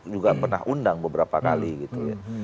juga pernah undang beberapa kali gitu ya